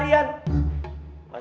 kau mau ngapain